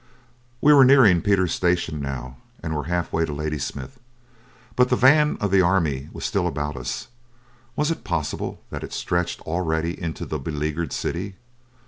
We were nearing Pieter's Station now, and were half way to Ladysmith. But the van of the army was still about us. Was it possible that it stretched already into the beleaguered city?